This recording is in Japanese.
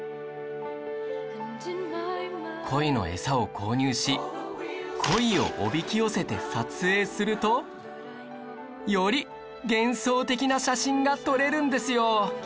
鯉のエサを購入し鯉をおびき寄せて撮影するとより幻想的な写真が撮れるんですよ